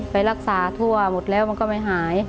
ไปรักษาทั่วหมดแล้วมันก็ไม่หาย